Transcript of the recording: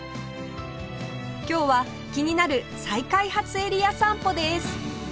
今日は気になる再開発エリア散歩です